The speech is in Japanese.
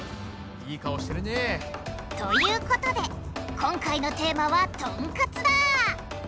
いい顔してるね。ということで今回のテーマはトンカツだ！